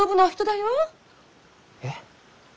えっ？